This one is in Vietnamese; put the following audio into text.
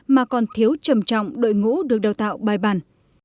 mà còn thiếu trầm trọng đội ngũ được đào tạo bài bản